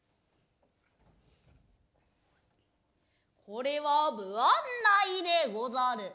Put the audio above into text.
これは不案内でござる。